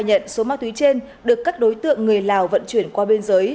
và nhận số ma túy trên được các đối tượng người lào vận chuyển qua bên giới